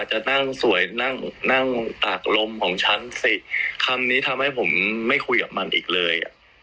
จะนั่งสวยนั่งนั่งตากลมของฉันสิคำนี้ทำให้ผมไม่คุยกับมันอีกเลยอ่ะ